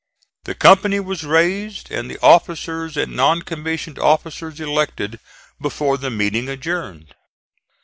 The company was raised and the officers and non commissioned officers elected before the meeting adjourned.